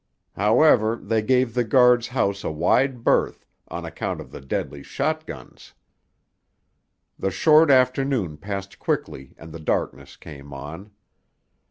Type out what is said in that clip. However, they gave the guards' house a wide berth, on account of the deadly shotguns. The short afternoon passed quickly and the darkness came on.